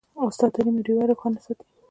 استاد د علم ډیوه روښانه ساتي.